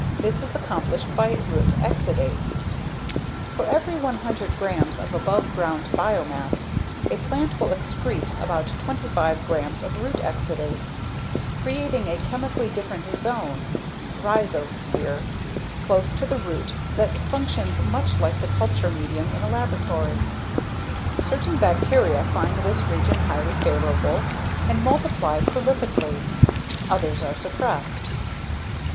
This is accomplished by root exudates. For every 100 grams of above ground biomass, a plant will excrete about 25 grams of root exudates, creating a chemically different zone (rhizosphere) close to the root that functions much like the culture medium in a laboratory. Certain bacteria find this region highly favorable and multiply prolifically, others are suppressed.